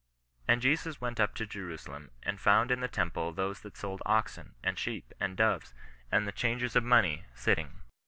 And Jesus went up to Jerusalem, and found in the temple those that sold oxen, and sheep, and doves, and the changers of money, sitting.